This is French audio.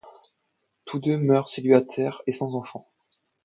Tous deux meurent célibataires et sans enfants.